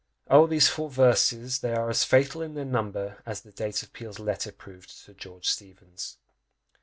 Oh! these four verses! they are as fatal in their number as the date of Peele's letter proved to George Steevens!